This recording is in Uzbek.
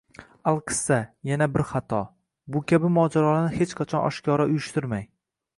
Alqissa, yana bir xato: bu kabi mojarolarni hech qachon oshkora uyushtirmang.